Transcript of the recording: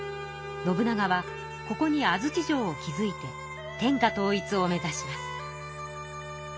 信長はここに安土城を築いて天下統一を目指します。